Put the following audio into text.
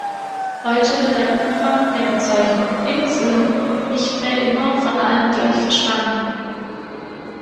Heute wird der Umfang der Bezeichnung "Inseln" nicht mehr immer von allen gleich verstanden.